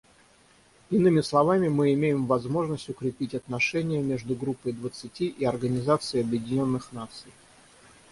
Иными словами, мы имеем возможность укрепить отношения между Группой двадцати и Организацией Объединенных Наций.